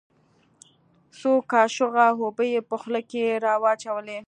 څو کاشوغه اوبه يې په خوله کښې راواچولې.